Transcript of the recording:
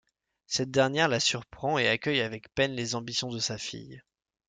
Cette dernière la surprend et accueille avec peine les ambitions de sa fille.